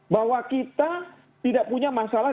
bahwa kita tidak punya masalah